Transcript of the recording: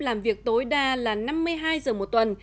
làm việc tối đa là năm mươi hai giờ một tuần